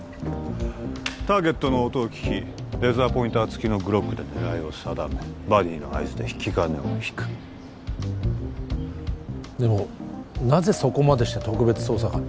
ターゲットの音を聞きレーザーポインターつきのグロックで狙いを定めバディの合図で引き金を引くでもなぜそこまでして特別捜査官に？